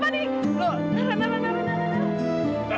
nara nara nara